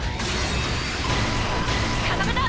固めた。